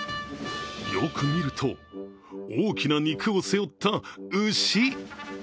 よく見ると、大きな肉を背負った牛。